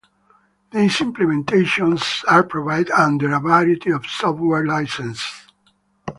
These implementations are provided under a variety of software licenses.